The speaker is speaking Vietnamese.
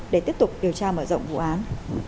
để tiếp tục điều tra mở rộng vụ án